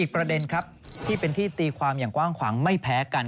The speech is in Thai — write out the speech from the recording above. ประเด็นครับที่เป็นที่ตีความอย่างกว้างขวางไม่แพ้กัน